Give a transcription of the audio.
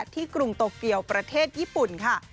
กรุงโตเกียวประเทศญี่ปุ่นค่ะ